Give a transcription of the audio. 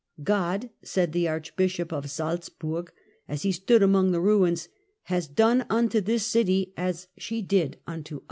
"God," said the Archbishop of Salzburg, as he stood among the ruins, " has done unto this city as she did unto others."